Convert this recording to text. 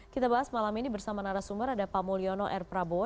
kita bahas malam ini bersama narasumber ada pak mulyono r prabowo